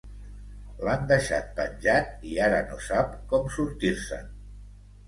L'han deixat penjat i ara no sap com sortir-se'n.